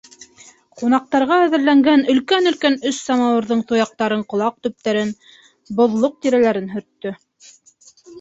Ҡунаҡтарға әҙерләнгән өлкән-өлкән өс самауырҙың тояҡтарын, ҡолаҡ төптәрен, боҙлоҡ тирәләрен һөрттө.